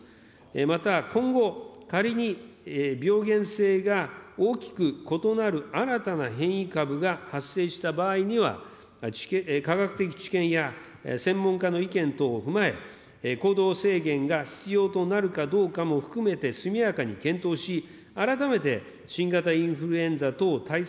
また今後、仮に病原性が大きく異なる新たな変異株が発生した場合には、科学的知見や専門家の意見等を踏まえ、行動制限が必要となるかどうかも含めて、速やかに検討し、改めて新型インフルエンザ等対策